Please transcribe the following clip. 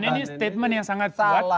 ini statement yang sangat kuat